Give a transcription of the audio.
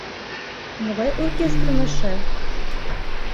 — Могай оркестрым эше?